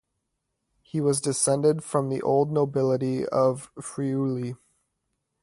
He was descended from the old nobility of Friuli.